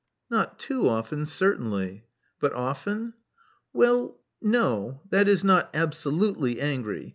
'*Not too often, certainly." But often?" *'Well, no. That is, not absolutely angry.